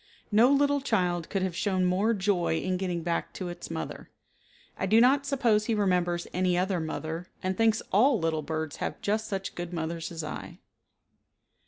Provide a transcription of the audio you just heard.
No little child could have shown more joy in getting back to its mother. I do not suppose he remembers any other mother, and thinks all little birds have just such good mothers as I.